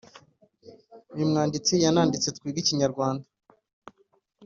Uyu mwanditsi yananditse Twige ikinyarwanda.